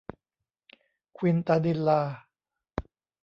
ควินตานิลลา